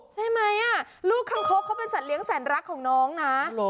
ใช่ไหมลูกคังคกเขาเป็นสัตเลี้ยแสนรักของน้องนะ